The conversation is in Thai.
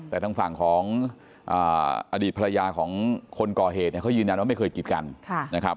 แต่ทางฝั่งของอดีตภรรยาของคนก่อเหตุเนี่ยเขายืนยันว่าไม่เคยกิดกันนะครับ